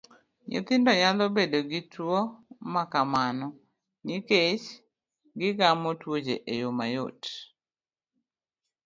Nyithindo nyalo bedo gi tuwo makamano nikech gir geng'o tuoche eyo mayot.